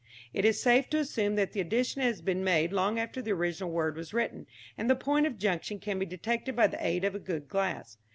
It is safe to assume that the addition has been made long after the original word was written, and the point of junction can be detected by the aid of a good glass.